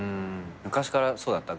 昔からそうだった？